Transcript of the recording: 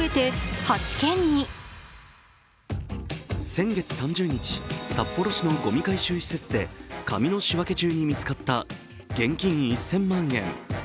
先月３０日、札幌市のごみ回収施設で紙の仕分け中に見つかった現金１０００万円。